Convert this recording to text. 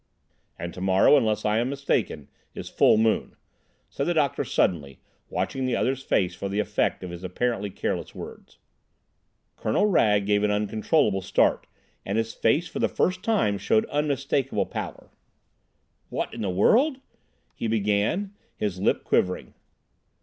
"And tomorrow, unless I am mistaken, is full moon," said the doctor suddenly, watching the other's face for the effect of his apparently careless words. Colonel Wragge gave an uncontrollable start, and his face for the first time showed unmistakable pallor. "What in the world—?" he began, his lip quivering.